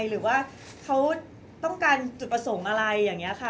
หรือว่าเขาต้องการจุดประสงค์อะไรอย่างนี้ค่ะ